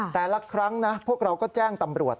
แต่ละครั้งนะพวกเราก็แจ้งตำรวจ